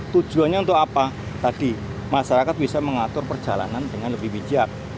tujuannya untuk apa tadi masyarakat bisa mengatur perjalanan dengan lebih bijak